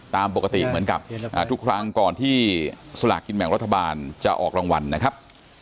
ตามปกติเหมือนกับทุกครั้งก่อนที่สลากกินแบ่งรัฐบาลจะออกรางวัลนะครับ